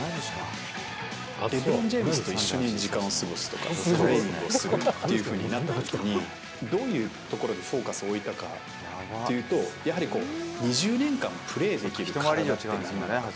レブロン・ジェームズと一緒に時間を過ごすとか、トレーニングをするというふうになったときに、どういうところにフォーカスを置いたかというと、やはり２０年間プレーできる体作りってなんなのか。